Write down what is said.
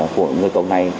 của người cậu này